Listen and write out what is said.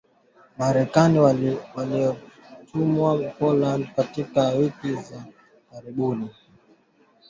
Marekani waliotumwa Poland katika wiki za karibuni